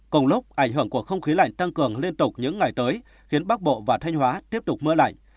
cùng lúc ảnh hưởng của không khí lạnh tăng cường liên tục những ngày tới khiến bắc bộ và thanh hóa tiếp tục mưa lạnh